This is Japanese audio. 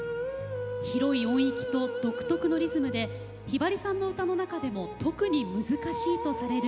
広い音域と独特のリズムでひばりさんの歌の中でも特に難しいとされる